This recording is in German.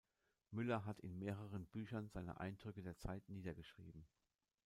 Müller hat in mehreren Büchern seine Eindrücke der Zeit niedergeschrieben.